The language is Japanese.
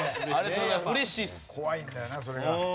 怖いんだよなそれが。